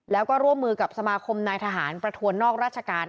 แล้วก็ร่วมมือกับสมาคมนายทหารประทวนนอกราชการ